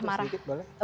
saya bantu sedikit boleh